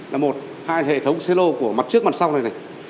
là một hai hệ thống xe lô của mặt trước mặt sau này này